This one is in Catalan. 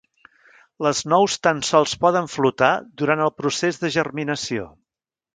Les nous tan sols poden flotar durant el procés de germinació.